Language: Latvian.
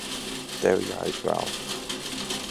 Tev jāizvēlas!